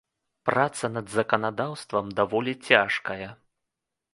Праца над заканадаўствам даволі цяжкая.